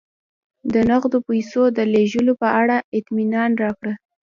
د نغدو پیسو د لېږلو په اړه اطمینان راکړه.